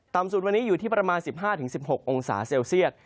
สุดวันนี้อยู่ที่ประมาณ๑๕๑๖องศาเซลเซียต